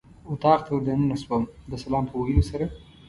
اتاق ته ور دننه شوم د سلام په ویلو سره.